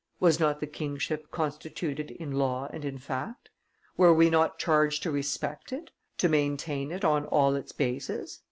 Was not the kingship constituted in law and in fact? Were we not charged to respect it, to maintain it on all its bases?"